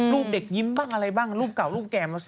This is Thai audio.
รูปเด็กยิ้มบ้างอะไรบ้างรูปเก่ารูปแก่มา